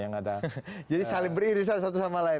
yang ada jadi saling beririsan satu sama lain